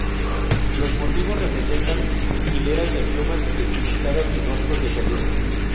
Los motivos representan hileras de plumas estilizadas y rostros de felino.